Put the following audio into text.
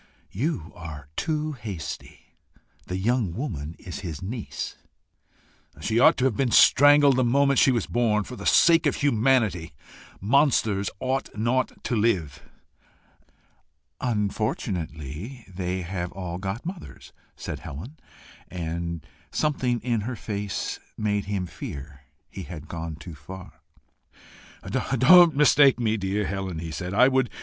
"You are too hasty: the young woman is his niece." "She ought to have been strangled the moment she was born for the sake of humanity. Monsters ought not to live." "Unfortunately they have all got mothers," said Helen; and something in her face made him fear he had gone too far. "Don't mistake me, dear Helen," he said.